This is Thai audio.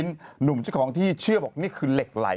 มันเป็นเหล็กไหล